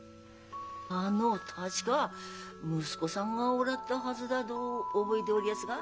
あの確か息子さんがおられたはずだど覚えでおりやすが？